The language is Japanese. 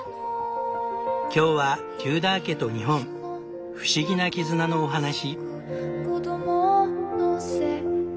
今日はテューダー家と日本不思議な絆のお話。